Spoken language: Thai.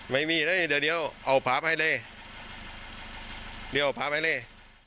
ไม่มีเลยเดี๋ยวเอาภาพให้เลยเดี๋ยวเอาภาพให้เลย